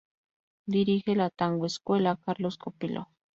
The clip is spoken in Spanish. Dirige la Tango Escuela Carlos Copello.